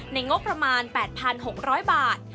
งบประมาณ๘๖๐๐บาท